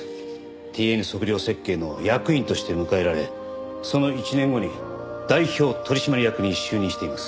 ＴＮ測量設計の役員として迎えられその１年後に代表取締役に就任しています。